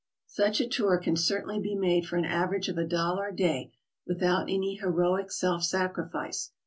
Such a tour can certainly be made for an average of a dollar a day, with out any heroic self sacrifice.